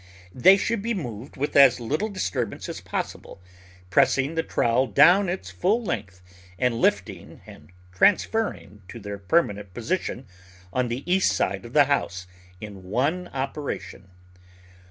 They should be moved with as little disturbance as possible, pressing the trowel down its full length and lifting and transferring to their permanent position on the east side of the house in one operation.